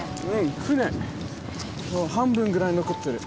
半分ぐらい残ってる。